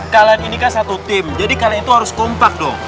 kalian ini kan satu tim jadi kalian itu harus kompak dong